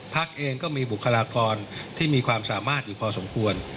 เองก็มีบุคลากรที่มีความสามารถอยู่พอสมควร